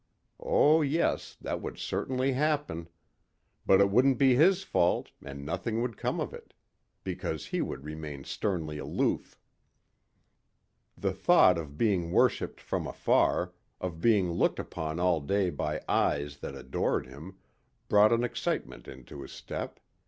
Oh yes, that would certainly happen. But it wouldn't be his fault and nothing would come of it. Because he would remain sternly aloof. The thought of being worshipped from afar, of being looked upon all day by eyes that adored him, brought an excitement into his step.